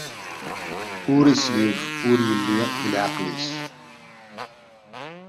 Ur islib ur yelli di leɛqel-is.